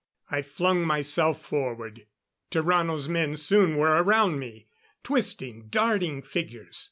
I flung myself forward. Tarrano's men soon were around me. Twisting, darting figures